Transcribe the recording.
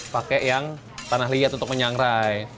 pakai yang tanah liat untuk menyangrai